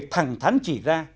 thẳng thắn chỉ ra